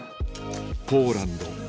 ポーランド